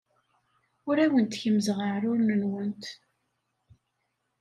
Ur awent-kemmzeɣ aɛrur-nwent.